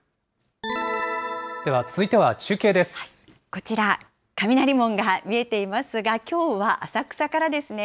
こちら、雷門が見えていますが、きょうは浅草からですね。